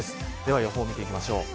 では予報、見ていきましょう。